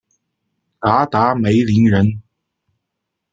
嘎达梅林人。